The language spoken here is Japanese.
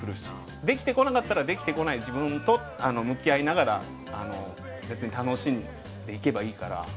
できてこなかったらできてこない自分と向き合いながら別に楽しんでいけばいいから。